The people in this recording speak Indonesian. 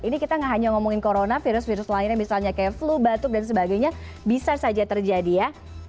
ini kita nggak hanya ngomongin corona virus virus lainnya misalnya kayak flu batuk dan sebagainya bisa saja terjadi ya